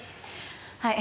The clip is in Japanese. はい。